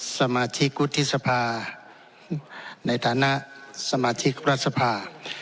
สมาชิกวุฒิสภาในฐานะสมาชิกรัฐสภา